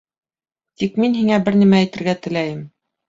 Тик мин һиңә бер нәмә әйтергә теләйем.